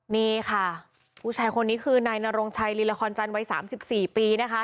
นี่ค่ะผู้ชายคนนี้คือนายนรงชัยลินละครจันทร์วัย๓๔ปีนะคะ